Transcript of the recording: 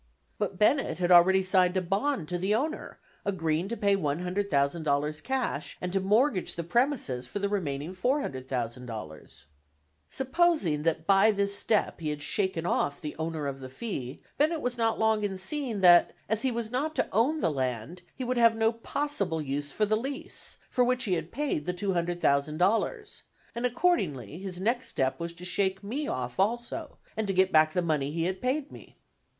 But Bennett had already signed a bond to the owner, agreeing to pay $100,000 cash, and to mortgage the premises for the remaining $400,000. Supposing that by this step he had shaken off the owner of the fee, Bennett was not long in seeing that, as he was not to own the land, he would have no possible use for the lease, for which he had paid the $200,000; and accordingly his next step was to shake me off also, and get back the money he had paid me.